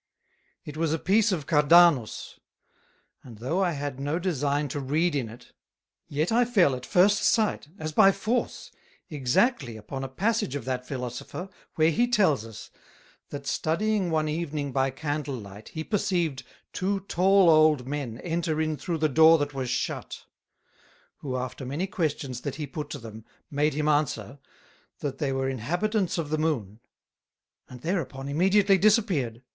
It was a piece of Cardanus; and though I had no design to read in it, yet I fell at first sight, as by force, exactly upon a Passage of that Philosopher where he tells us, That Studying one evening by Candle light, he perceived Two tall old Men enter in through the door that was shut, who after many questions that he put to them, made him answer, That they were Inhabitants of the Moon, and thereupon immediately disappeared.